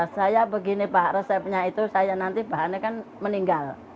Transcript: saya begini pak resepnya itu saya nanti bahannya kan meninggal